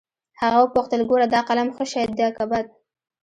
هغه وپوښتل ګوره دا قلم ښه شى ديه که بد.